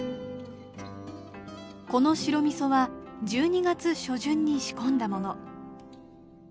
この白みそは１２月初旬に仕込んだもの。